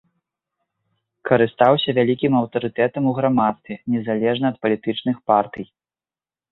Карыстаўся вялікім аўтарытэтам у грамадстве, незалежна ад палітычных партый.